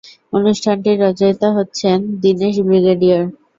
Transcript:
অনুষ্ঠানটির রচয়িতা হচ্ছেন দিনেশ ব্রিগেডিয়ার।